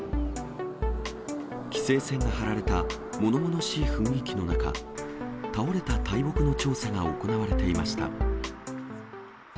規制線が張られたものものしい雰囲気の中、倒れた大木の調査が行われていました。